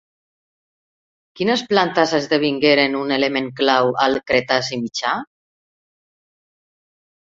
Quines plantes esdevingueren un element clau al Cretaci mitjà?